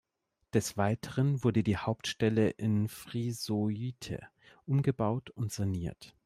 Des Weiteren wurde die Hauptstelle in Friesoythe umgebaut und saniert.